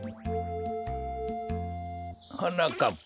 はなかっぱ。